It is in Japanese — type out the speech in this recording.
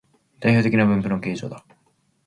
代表的な分布の形状だ